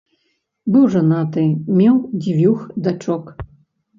Быў жанаты, меў дзвюх дачок.